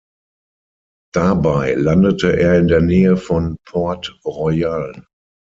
Dabei landete er in der Nähe von Port Royal.